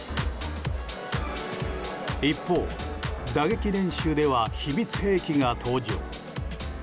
一方、打撃練習では秘密兵器が登場。